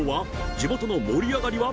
地元の盛り上がりは？